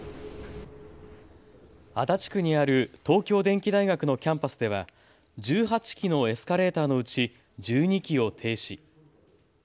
足立区にある東京電機大学のキャンパスでは１８基のエスカレーターのうち１２基を停止。